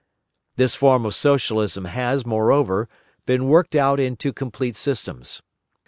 This form of Socialism has, moreover, been worked out into complete systems.